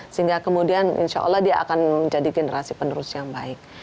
sehingga kemudian insya allah dia akan menjadi generasi penerus yang baik